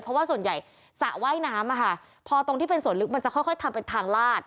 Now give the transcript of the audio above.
เพราะว่าส่วนใหญ่สระว่ายน้ำพอตรงที่เป็นส่วนลึกมันจะค่อยทำเป็นทางลาด